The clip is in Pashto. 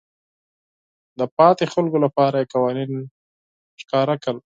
د پاتې خلکو لپاره یې قوانین وضع کړل.